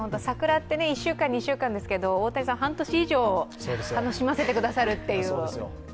桜って１週間、２週間ですけど、大谷さんは半年以上楽しませてくださるっていう。